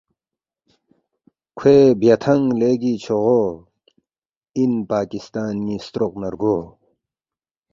کھوئے بیاتھنگ لیگی چھوغو اِن پاکستان نی ستروق نہ رگو